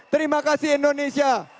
terima kasih indonesia